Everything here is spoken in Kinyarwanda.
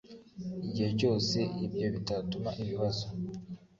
igihe cyose ibyo bitatuma ibibazo